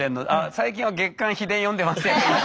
「最近は『月刊秘伝』読んでますけど」。